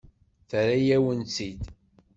Terra-yawen-tt-id.